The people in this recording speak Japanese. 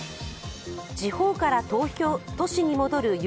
地方から都市に戻るＵ